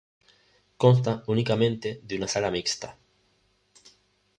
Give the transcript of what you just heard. Consta únicamente de una Sala Mixta.